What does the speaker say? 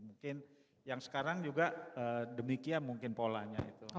mungkin yang sekarang juga demikian mungkin polanya itu